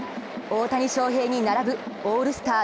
大谷翔平に並ぶオールスター